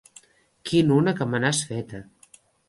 Quina una que me n'has feta!